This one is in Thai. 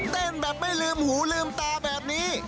แบบไม่ลืมหูลืมตาแบบนี้